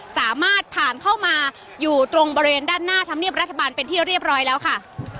สามารถผ่านเข้ามาอยู่ตรงบริเวณด้านหน้าธรรมเนียบรัฐบาลเป็นที่เรียบร้อยแล้วค่ะ